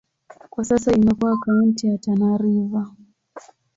Kwa sasa imekuwa kaunti ya Tana River.